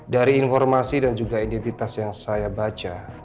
dari informasi dan juga identitas yang saya baca